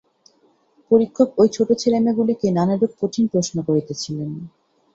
পরীক্ষক ঐ ছোট ছেলেমেয়েগুলিকে নানারূপ কঠিন প্রশ্ন করিতেছিলেন।